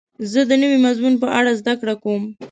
زه د نوي مضمون په اړه زده کړه کوم.